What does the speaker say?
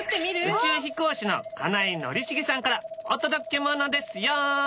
宇宙飛行士の金井宣茂さんからお届けものですよ。